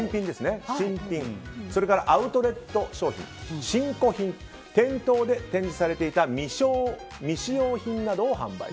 新品、アウトレット商品新古品、店頭で展示されていた未使用品などを販売。